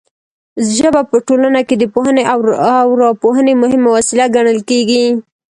ژبه په ټولنه کې د پوهونې او راپوهونې مهمه وسیله ګڼل کیږي.